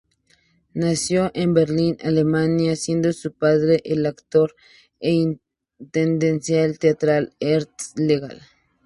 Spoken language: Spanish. Nació en Berlín, Alemania, siendo su padre el actor e intendente teatral Ernst Legal.